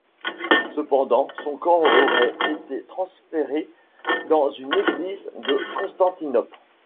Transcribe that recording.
Cependant, son corps aurait été transféré dans une église de Constantinople.